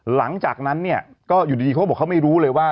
หลังจากนั้นเนี่ยก็อยู่ดีเขาบอกเขาไม่รู้เลยว่า